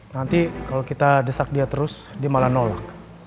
nanti kalau kita desak dia terus dia malah nolak